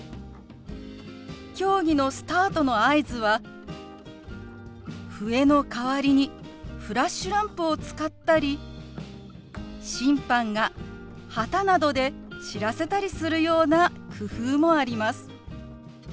競技のスタートの合図は笛の代わりにフラッシュランプを使ったり審判が旗などで知らせたりするような工夫もあります。